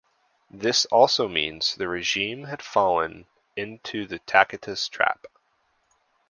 This also means the regime had fallen into the Tacitus trap.